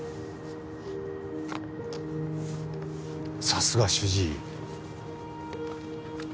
さすが主治医。